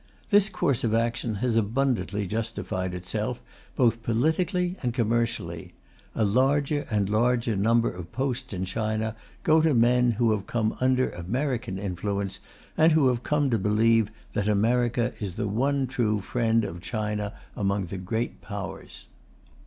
This course of action has abundantly justified itself, both politically and commercially; a larger and larger number of posts in China go to men who have come under American influence, and who have come to believe that America is the one true friend of China among the Great Powers.